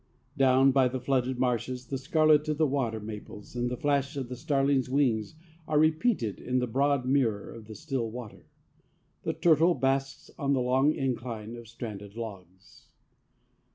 Down by the flooded marshes the scarlet of the water maples and the flash of the starling's wing are repeated in the broad mirror of the still water. The turtle basks on the long incline of stranded logs.